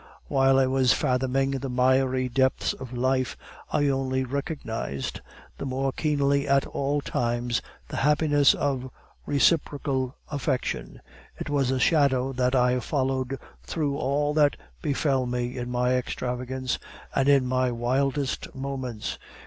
While I was fathoming the miry depths of life, I only recognized the more keenly at all times the happiness of reciprocal affection; it was a shadow that I followed through all that befell me in my extravagance, and in my wildest moments.